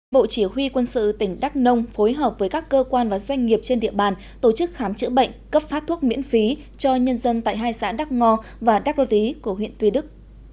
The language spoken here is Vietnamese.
bộ chỉ huy quân sự tỉnh đắk nông phối hợp với các cơ quan và doanh nghiệp trên địa bàn tổ chức khám chữa bệnh cấp phát thuốc miễn phí cho nhân dân tại hai xã đắk ngo và đắk rô tí của huyện tuy đức